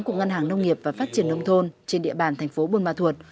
của ngân hàng nông nghiệp và phát triển nông thôn trên địa bàn thành phố buôn ma thuột